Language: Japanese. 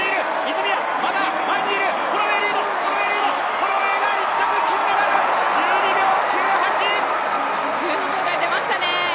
ホロウェイが１着金メダル、１２秒９８１２秒台出ましたね！